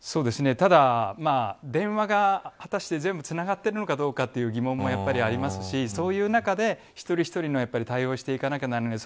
ただ、電話が果たして全部つながっているのかどうかという疑問もありますしそういう中で、一人一人対応していかなければならない。